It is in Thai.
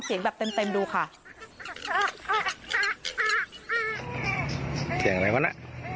เที่ยงอะไรกันอ่ะ